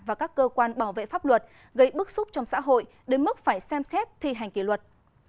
và các cơ quan bảo vệ pháp luật gây bức xúc trong xã hội đến mức phải xem xét thi hành kỷ luật